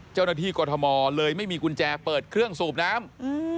เจ้าหน้าที่กฎธมอธ์เลยไม่มีกุญแจเปิดเครื่องสูบน้ำ